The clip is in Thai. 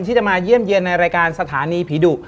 ที่จะมาเยี่ยมเยี่ยมในรายการสถานีผีดุ